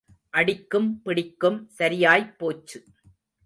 அடிக்கும் பிடிக்கும் சரியாய்ப் போச்சு.